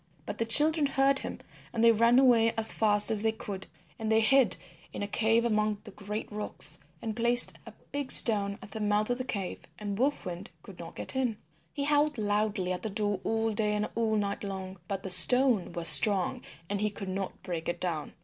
But the children heard him and they ran away as fast as they could, and they hid in a cave among the great rocks and placed a big stone at the mouth of the cave and Wolf Wind could not get in. He howled loudly at the door all day and all night long, but the stone was strong and he could not break it down.